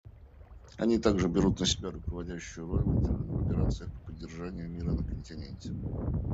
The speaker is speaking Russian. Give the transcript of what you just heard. Они также берут на себя руководящую роль в операциях по поддержанию мира на континенте.